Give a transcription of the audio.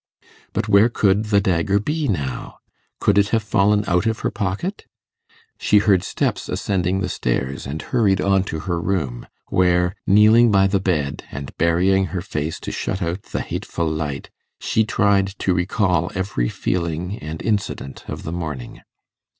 But where could the dagger be now? Could it have fallen out of her pocket? She heard steps ascending the stairs, and hurried on to her room, where, kneeling by the bed, and burying her face to shut out the hateful light, she tried to recall every feeling and incident of the morning.